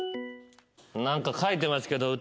何か書いてますけど。